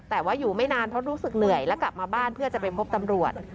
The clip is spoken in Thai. แต่ว่าอยู่ไม่นานเพราะรู้สึกเหนื่อยและกลับมาบ้านเพื่อจะไปพบตำรวจ